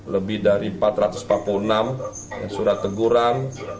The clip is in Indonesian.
lebih dari empat ratus empat puluh enam surat teguran